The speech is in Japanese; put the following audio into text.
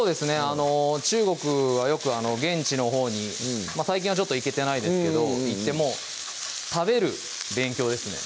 あの中国はよく現地のほうに最近はちょっと行けてないですけど行ってもう食べる勉強ですね